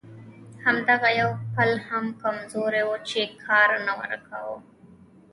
همدغه یو پل هم کمزوری و چې کار نه ورکاوه.